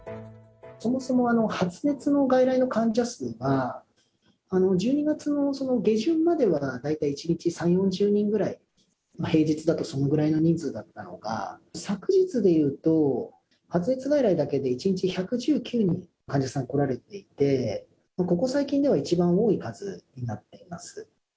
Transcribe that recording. そもそも発熱の外来の患者数が、１２月の下旬までは大体１日３、４０人ぐらい、平日だとそのぐらいの人数だったのが、昨日でいうと、発熱外来だけで１日１１９人、患者さんが来られていて、ここ最近では一番多い数になっています。